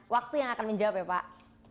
waktu yang akan menjawab ya pak